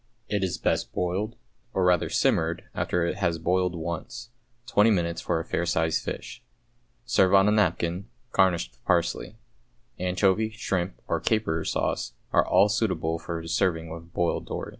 It is best boiled, or rather simmered, after it has boiled once, twenty minutes for a fair sized fish. Serve on a napkin, garnished with parsley. Anchovy, shrimp, or caper sauce, are all suitable for serving with boiled dory.